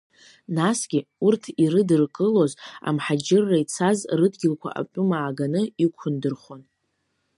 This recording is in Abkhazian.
Насгьы, урҭ ирыдыркылоз, амҳаџьырра ицаз рыдгьылқәа атәым ааганы иқәындырхон.